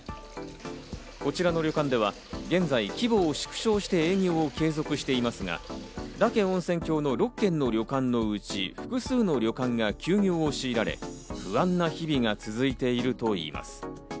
こちらの旅館では現在、規模を縮小して営業を継続していますが、嶽温泉郷の６軒の旅館のうち複数の旅館が休業を強いられ、不安な日々が続いているといいます。